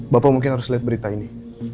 bapak mungkin harus lihat berita ini